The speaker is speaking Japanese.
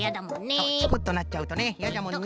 そうチクッとなっちゃうとねいやじゃもんね。